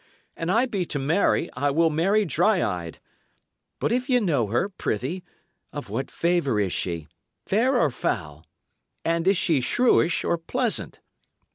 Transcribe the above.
An I be to marry, I will marry dry eyed! But if ye know her, prithee, of what favour is she? fair or foul? And is she shrewish or pleasant?"